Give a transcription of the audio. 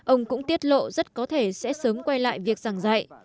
ông cũng tiết lộ rất có thể sẽ sớm quay lại việc giảng dạy